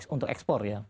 untuk ekspor ya